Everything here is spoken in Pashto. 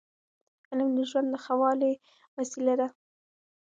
علم د ژوند د ښه والي وسیله ده.